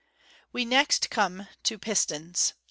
We next come to — Pistons.